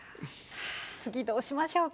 次どうしましょうか？